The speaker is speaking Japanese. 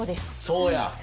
そうや！